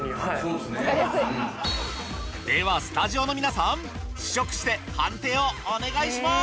ではスタジオの皆さん試食して判定をお願いします！